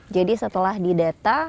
jadi setelah didata